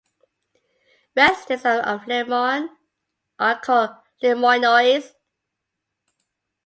Residents of LeMoyne are called "LeMoynois".